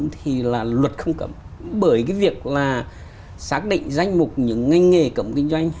thì là luật không cầm bởi cái việc là xác định danh mục những ngành nghề cầm kinh doanh